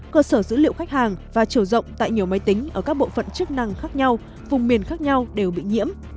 cơ sở dữ liệu khách hàng và chiều rộng tại nhiều máy tính ở các bộ phận chức năng khác nhau vùng miền khác nhau đều bị nhiễm